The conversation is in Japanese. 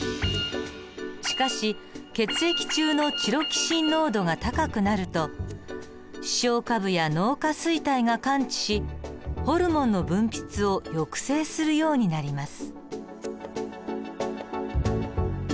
しかし血液中のチロキシン濃度が高くなると視床下部や脳下垂体が感知しホルモンの分泌を抑制するようになります。